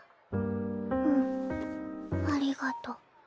うん。ありがと。